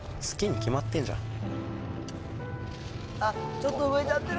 好きに決まってるんじゃん。